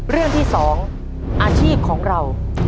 เรื่องที่๒อาชีพของเรา